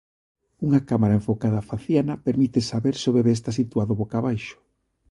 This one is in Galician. Unha cámara enfocada á faciana permite saber se o bebé está situado boca abaixo.